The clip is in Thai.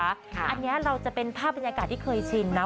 อันนี้เราจะเป็นภาพบรรยากาศที่เคยชินนะ